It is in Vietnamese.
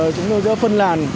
chúng tôi sẽ phân làn